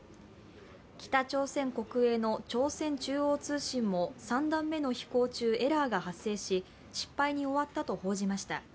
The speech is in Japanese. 北朝鮮国営の朝鮮中央通信も３段目の飛行中、エラーが発生し、失敗に終わったと報じました。